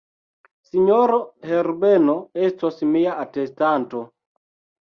Sinjoro Herbeno estos mia atestanto.